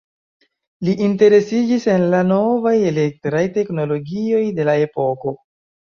Li interesiĝis en la novaj elektraj teknologioj de la epoko.